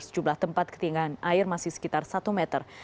jumlah tempat ketinggian air masih sekitar satu meter